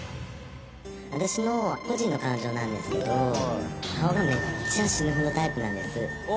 「私の個人の感情なんですけど顔がめっちゃ死ぬほどタイプなんです」